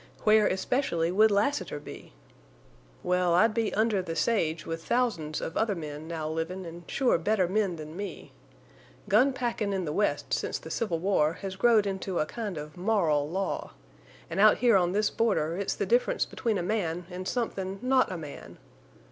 Where, especially, would Lassiter be? Well, I'd be under the sage with thousands of other men now livin' an' sure better men than me. Gun packin' in the West since the Civil War has growed into a kind of moral law. An' out here on this border it's the difference between a man an' somethin' not a man.